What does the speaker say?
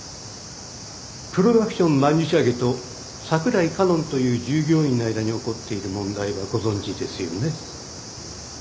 プロダクション曼珠沙華と櫻井佳音という従業員の間に起こっている問題はご存じですよね？